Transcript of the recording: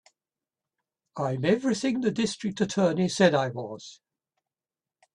I'm everything the District Attorney said I was.